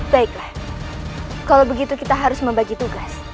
baiklah kalau begitu kita harus membagi tugas